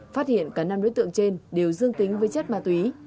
phát hiện cả năm đối tượng trên đều dương tính với chất ma túy